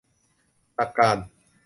หลักการ